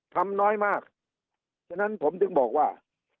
ทำน้อยมากฉะนั้นผมถึงบอกว่า